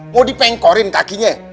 mau dipengkorin kakinya